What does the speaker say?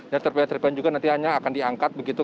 dan serpihan serpihan juga nanti hanya akan diangkat begitu